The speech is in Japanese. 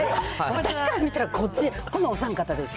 私から見たらこっち、このお三方です。